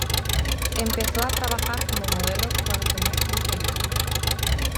Empezó a trabajar como modelo cuando tenía quince años.